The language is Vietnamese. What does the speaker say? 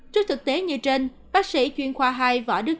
trước thực tế như trên bác sĩ chuyên khoa hai võ đức